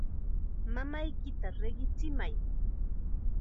Mamayki riqichimay.